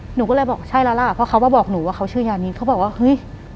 หลังจากนั้นเราไม่ได้คุยกันนะคะเดินเข้าบ้านอืม